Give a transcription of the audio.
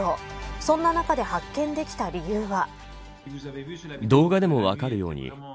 そんな中で発見できた理由は。